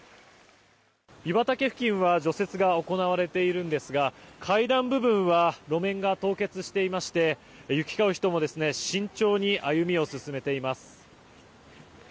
湯畑付近は除雪が行われているんですが階段部分は路面が凍結していまして行き交う人も慎重に歩みを進めています。